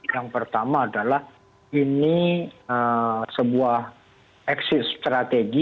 yang pertama adalah ini sebuah exit strategi